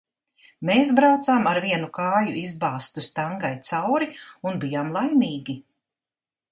Mēs braucām ar vienu kāju izbāztu stangai cauri un bijām laimīgi.